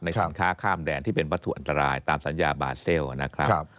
สินค้าข้ามแดนที่เป็นวัตถุอันตรายตามสัญญาบาเซลนะครับ